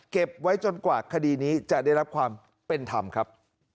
เก็บไว้จนกว่าคดีนี้จะได้รับความเป็นธรรมครับ